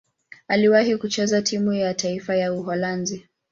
Aliwahi kucheza timu ya taifa ya Uholanzi.